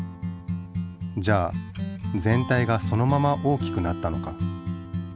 じゃあ全体がそのまま大きくなったのか？